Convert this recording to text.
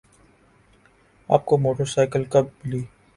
آپ کو motorcycle کب ملی؟